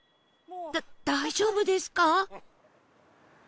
だ大丈夫ですか？